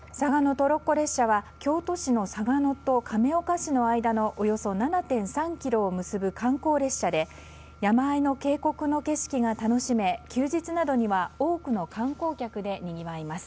トロッコ列車は京都市の嵯峨野と亀岡市の間のおよそ７．３ｋｍを結ぶ観光列車で山あいの渓谷の景色が楽しめ休日などには多くの観光客でにぎわいます。